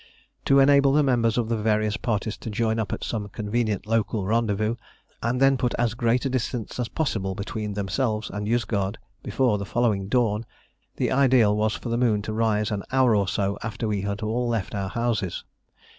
To enable the members of the various parties to join up at some convenient local rendezvous, and then put as great a distance as possible between themselves and Yozgad before the following dawn, the ideal was for the moon to rise an hour or so after we had all left our houses.